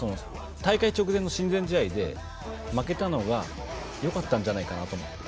大会直前の親善試合で負けたのがよかったんじゃないかなと思って。